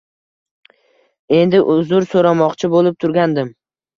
Endi uzr so‘ramoqchi bo‘lib turgandim